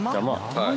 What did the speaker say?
はい。